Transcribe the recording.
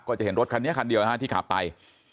ก็จะเห็นรถคันนี้คันเดียวนะครับที่ขับไป